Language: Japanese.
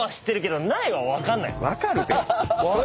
分かるて。